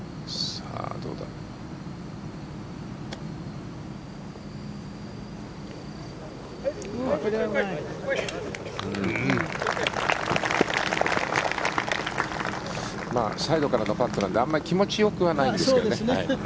サイドからのパットなのであまり気持ちよくはないですよね。